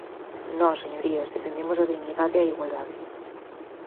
Nós, señorías, defendemos a dignidade e a igualdade.